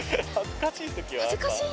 恥ずかしい。